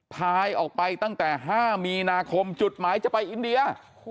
พายออกไปตั้งแต่๕มีนาคมจุดหมายจะไปอินเดีย